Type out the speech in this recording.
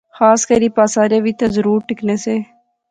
خاص کری پاسارے وچ تہ ضرور ٹکنے سے